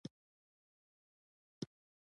دوی د پیسو له راټولولو سره ډېره مینه لري